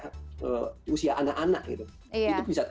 menikah usia anak anak gitu